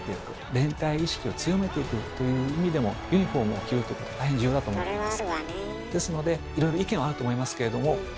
連帯意識を強めていくという意味でもユニフォームを着るということは大変重要だと思ってます。